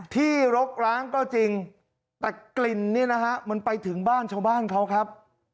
รกร้างก็จริงแต่กลิ่นเนี่ยนะฮะมันไปถึงบ้านชาวบ้านเขาครับ